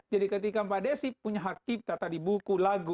jadi ketika pak desy punya hak tipta tadi buku lagu